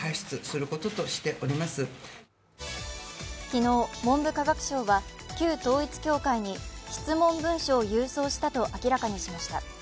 昨日、文部科学省は旧統一教会に質問文書を郵送したと明らかにしました。